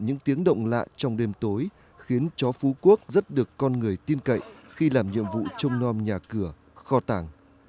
những tiếng động lạ trong đêm tối khiến cho phú quốc rất được con người tin cậy khi làm nhiệm vụ trông non nhà cửa kho tàng